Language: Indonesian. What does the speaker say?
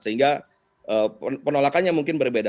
sehingga penolakannya mungkin berbeda